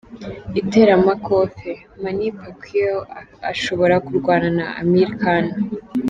Iteramakofe: Manny Pacquiao ashobora kurwana na Amir Khan.